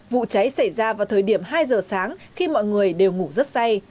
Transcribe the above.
vụ cháy xảy ra vào thời điểm hai giờ sáng khi mọi người đều ngủ rất say